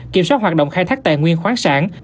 kiểm soát hoạt động khai thác tài nguyên khoáng sản